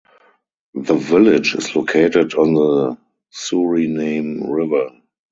The village is located on the Suriname River.